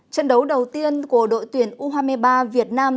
trận đấu đầu tiên của đội tuyển u hai mươi ba việt nam